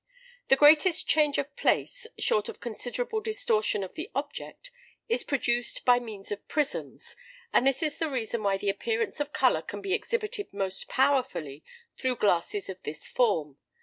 The greatest change of place, short of considerable distortion of the object, is produced by means of prisms, and this is the reason why the appearance of colour can be exhibited most powerfully through glasses of this form.